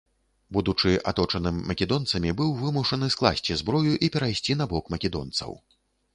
Будучы аточаным македонцамі, быў вымушаны скласці зброю і перайсці на бок македонцаў.